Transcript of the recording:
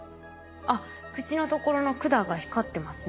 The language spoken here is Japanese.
あっ口のところの管が光ってますね。